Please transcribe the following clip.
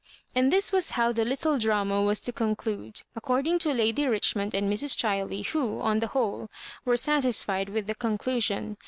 And this was how the little drama was to concJude, ao oording to Lady Richmond and Mrs. Chiley, who, on the whole, were satisfied with the conclusion.